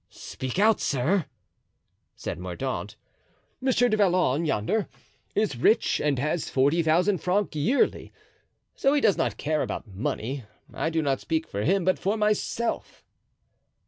"Speak out, sir," said Mordaunt. "Monsieur du Vallon, yonder, is rich and has forty thousand francs yearly, so he does not care about money. I do not speak for him, but for myself."